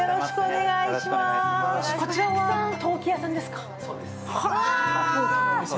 こちらは陶器屋さんですか？